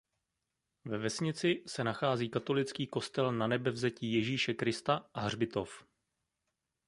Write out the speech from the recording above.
Ve vesnici se nachází katolický kostel Nanebevzetí Ježíše Krista a hřbitov.